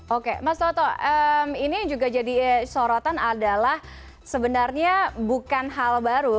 oke mas toto ini juga jadi sorotan adalah sebenarnya bukan hal baru